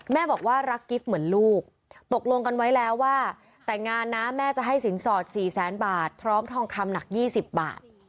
แม่บอกว่ารักกิฟต์เหมือนลูกตกลงกันไว้แล้วว่าแต่งงานนะแม่จะให้สินสอด๔แสนบาทพร้อมทองคำหนัก๒๐บาท